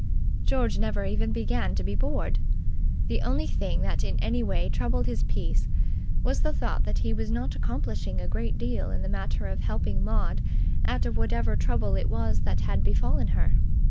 George never even began to be bored. The only thing that in any way troubled his peace was the thought that he was not accomplishing a great deal in the matter of helping Maud out of whatever trouble it was that had befallen her.